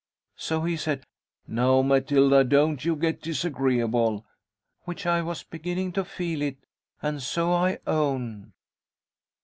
So he said, 'Now, Matilda, don't you get disagreeable' which I was beginning to feel it, and so I own.